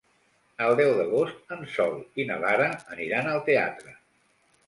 El deu d'agost en Sol i na Lara aniran al teatre.